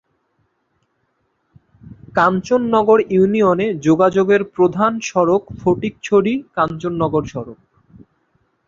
কাঞ্চননগর ইউনিয়নে যোগাযোগের প্রধান সড়ক ফটিকছড়ি-কাঞ্চননগর সড়ক।